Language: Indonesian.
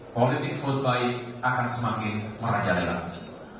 politik vote by akan semakin merajalai lagi